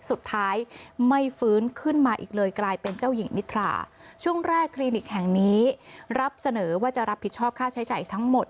สุดท้ายไม่ฟื้นขึ้นมาอีกเลยกลายเป็นเจ้าหญิงนิทราช่วงแรกคลินิกแห่งนี้รับเสนอว่าจะรับผิดชอบค่าใช้จ่ายทั้งหมด